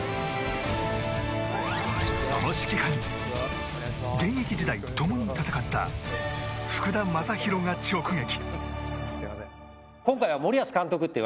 その指揮官に現役時代、共に戦った福田正博が直撃。